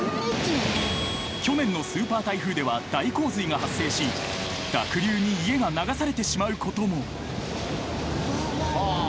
［去年のスーパー台風では大洪水が発生し濁流に家が流されてしまうことも］